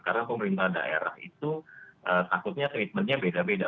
karena pemerintah daerah itu takutnya treatmentnya beda beda